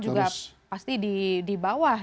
juga pasti di bawah